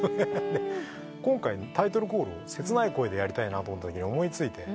今回タイトルコールを切ない声でやりたいなと思ったときに思い付いて。